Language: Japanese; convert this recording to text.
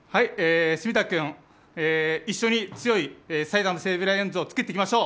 隅田君、一緒に強い埼玉西武ライオンズを作っていきましょう。